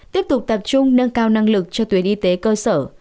tiếp tục tập trung nâng cao năng lực cho tuyến y tế cơ sở